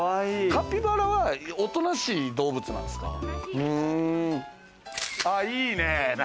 カピバラはおとなしい動物ないいね！